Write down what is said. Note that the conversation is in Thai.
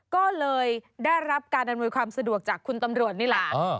ก็เลยได้รับการอำนวยความสะดวกจากคุณตำรวจนี่แหละ